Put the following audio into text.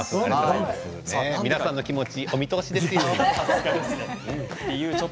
皆さんの気持ちお見通しですよ。